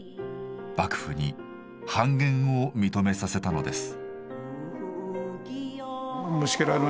幕府に半減を認めさせたのです。